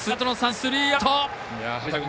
スリーアウト。